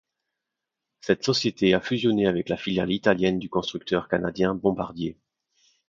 Cette société a fusionné avec la filiale italienne du constructeur canadien Bombardier.